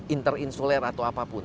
interinsuler atau apapun